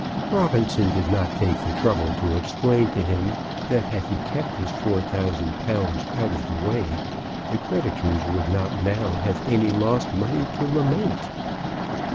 Robinson did not take the trouble to explain to him that had he kept his four thousand pounds out of the way, the creditors would not now have any lost money to lament.